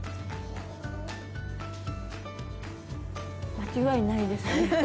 間違いないですね。